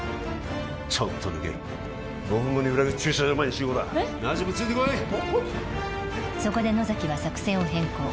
ちょっと抜ける５分後に裏口駐車場前に集合だナジュムついてこいそこで野崎は作戦を変更